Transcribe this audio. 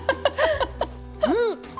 うん！